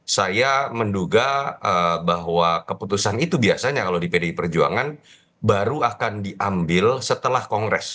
saya menduga bahwa keputusan itu biasanya kalau di pdi perjuangan baru akan diambil setelah kongres